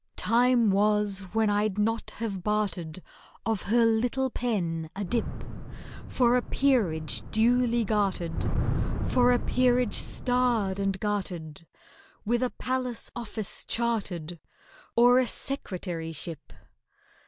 Time was when I'd not have bartered Of her little pen a dip For a peerage duly gartered— For a peerage starred and gartered— With a palace office chartered, Or a Secretaryship.